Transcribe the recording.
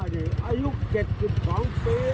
พอดีอายุ๗๒ปีช้าแน่